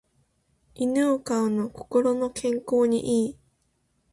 犬を飼うの心の健康に良い